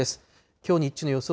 きょう日中の予想